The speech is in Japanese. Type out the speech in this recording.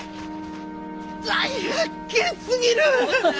大発見すぎる！